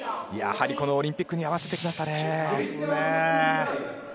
やはりオリンピックに合わせてきましたね。